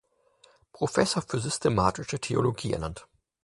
Professor für Systematische Theologie ernannt.